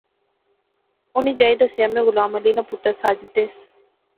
اُنی جائی دسیا میں غلام علی ناں پتر ساجد دیس